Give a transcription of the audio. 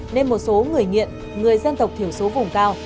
nên một số người nghiện người dân tộc thiểu số vùng cao